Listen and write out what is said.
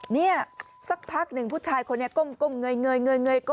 นี่สักพักหนึ่งผู้ชายคนนี้ก้มเงย